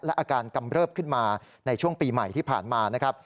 อาการกำเริบขึ้นมาในช่วงปีใหม่ที่ผ่านมานะครับ